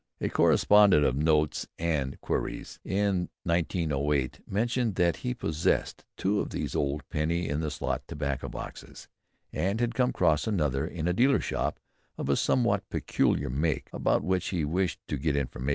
_ A correspondent of Notes and Queries, in 1908, mentioned that he possessed two of these old penny in the slot tobacco boxes, and had come across another in a dealer's shop of a somewhat peculiar make, about which he wished to get information.